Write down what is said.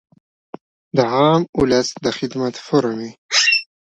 د عام اولس د خدمت فورم وي -